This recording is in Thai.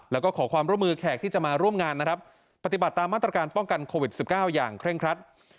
แล้วก็ขอความร่วมมือแขกที่จะมาร่วมงานนะครับปฏิบัติตามมาตรการป้องกันโควิด๑๙อย่างเคร่งครัด